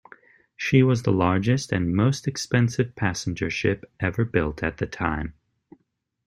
She was the largest and most expensive passenger ship ever built at the time.